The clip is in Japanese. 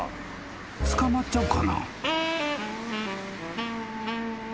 ［捕まっちゃうかな？］